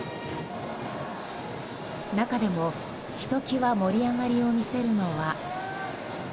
中でも、ひときわ盛り上がりを見せるのは。